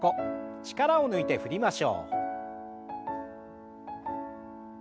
力を抜いて振りましょう。